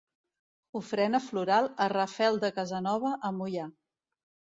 Ofrena floral a Rafel de Casanova a Moià.